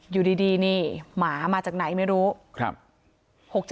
อยู่ดีนี่หมามาจากไหนไม่รู้